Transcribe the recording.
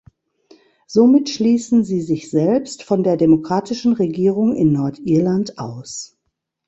Somit schließen sie sich selbst von der demokratischen Regierung in Nordirland aus.